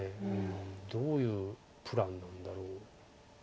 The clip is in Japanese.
どういうプランなんだろう。